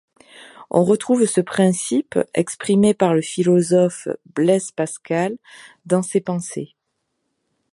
On retrouve ce principe exprimé par le philosophe Blaise Pascal dans ses Pensées.